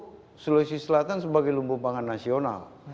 tapi ini selalu sulawesi selatan sebagai lumpuh pangan nasional